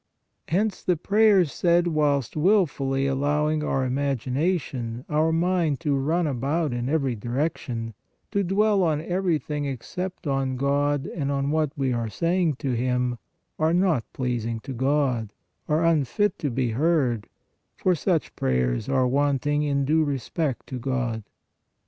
Hence the prayers said whilst wilfully allowing our imagi nation, our mind to run about in every direction, to dwell on everything except on God and on what we are saying to Him, are not pleasing to God, are unfit to be heard, for such prayers are wanting in due respect to God.